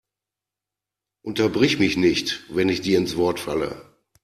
Unterbrich mich nicht, wenn ich dir ins Wort falle!